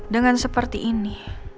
dengan seperti ini